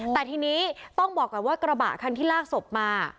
แต่ทีนี้ต้องบอกก่อนว่ากระบะคันที่ลากศพมา